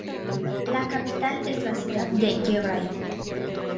La capital es la ciudad de Cəbrayıl.